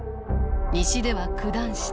西では九段下。